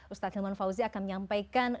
ustadz hilman fauzi akan menyampaikan